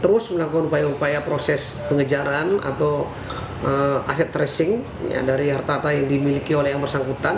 terus melakukan upaya upaya proses pengejaran atau aset tracing dari harta yang dimiliki oleh yang bersangkutan